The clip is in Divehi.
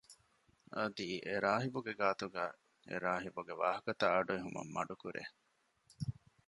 އަދި އެރާހިބުގެ ގާތުގައި އެރާހިބުގެ ވާހަކަތައް އަޑުއެހުމަށް މަޑުކުރޭ